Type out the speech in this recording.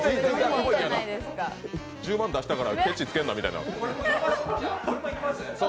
１０万出したからケチつけんなみたいな。